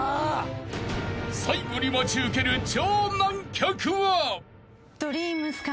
［最後に待ち受ける超難曲は］